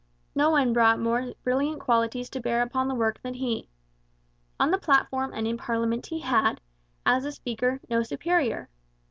No one brought more brilliant qualities to bear upon the work than he. On the platform and in parliament he had, as a speaker, no superior.